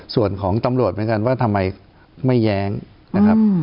ส่วนของตำรวจเหมือนกันว่าทำไมไม่แย้งนะครับ